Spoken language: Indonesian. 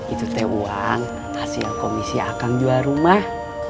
itu teh uang hasil komisi akan jual rumah